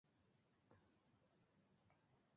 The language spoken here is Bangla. এই ব্লগ অনেক চীনা উদারনৈতিক বুদ্ধিজীবীকে একত্রিত করেছে।